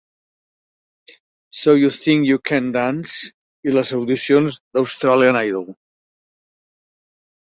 So You Think You Can Dance i les audicions d'Australian Idol.